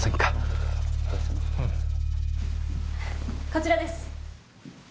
こちらです。